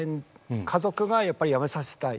家族がやっぱりやめさせたい。